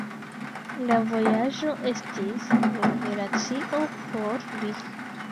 La vojaĝo estis revelacio por li.